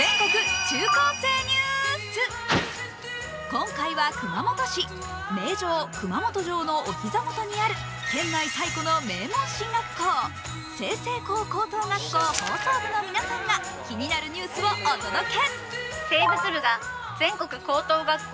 今回は熊本市、名城・熊本城のお膝元にある県内最古の名門進学校済々黌高等学校放送部の皆さんが気になるニュースをお届け。